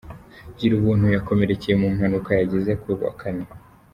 Girubuntu yakomerekeye mu mpanuka yagize ku wa Kane.